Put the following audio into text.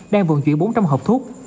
đang vận chuyển bốn trăm linh hộp thuốc